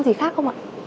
gì khác không ạ